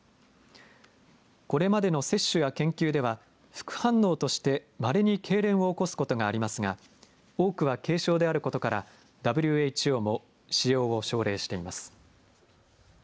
これまでの接種や研究では副反応として、まれにけいれんを起こすことがありますが多くは軽症であることからＷＨＯも使用を奨励しています。